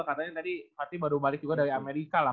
katanya tadi fatih baru balik juga dari amerika lah